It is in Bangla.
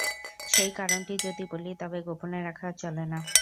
সেই কারণটি যদি বলি, তবে গোপনে রাখা আর চলে না।